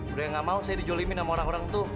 udah gak mau saya dijolimin sama orang orang tuh